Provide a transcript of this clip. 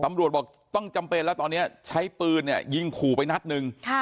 ตำรวจบอกต้องจำเป็นแล้วตอนนี้ใช้ปืนเนี่ยยิงขู่ไปนัดหนึ่ง